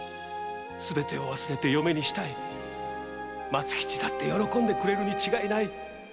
すべてを忘れて嫁にしたい」「松吉だって喜んでくれるに違いない」